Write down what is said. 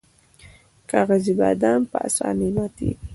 کاغذي بادام په اسانۍ ماتیږي.